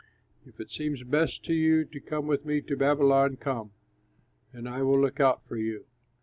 If it seems best to you to come with me to Babylon, come, and I will look out for you.